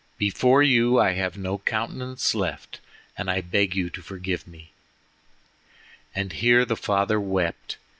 Before you I have no countenance left, and I beg you to forgive me." And here the father wept.